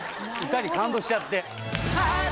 歌に感動しちゃって。